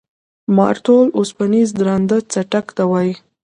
مارتول اوسپنیز درانده څټک ته وایي.